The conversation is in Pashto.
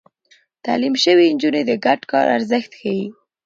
تعليم شوې نجونې د ګډ کار ارزښت ښيي.